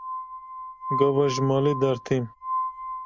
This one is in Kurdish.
Gava ji malê dertêm.